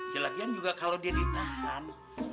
ya latihan juga kalau dia ditahan